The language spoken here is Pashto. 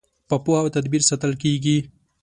په پوهه او تدبیر ساتل کیږي.